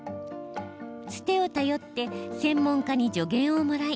つてを頼って専門家に助言をもらい